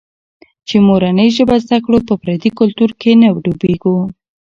چي مورنۍ ژبه زده کړو، په پردي کلتور کې نه ډوبېږو.